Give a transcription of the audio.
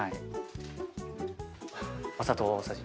お砂糖大さじ。